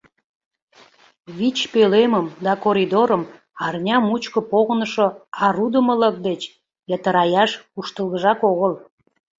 Вич пӧлемым да коридорым арня мучко погынышо арудымылык деч йытыраяш куштылгыжак огыл.